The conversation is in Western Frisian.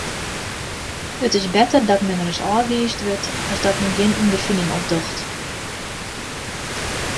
It is better dat men ris ôfwiisd wurdt as dat men gjin ûnderfining opdocht.